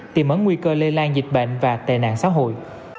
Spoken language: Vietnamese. tìm ẩn nguy cơ lây lan dịch bệnh và tệ nạn xã hội